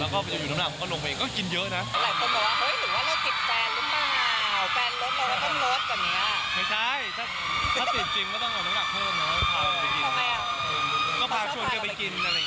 ไม่ค่ะอะไรที่เค้ามั่นใจผมก็เชื่อว่าเป็นสิ่งที่ดี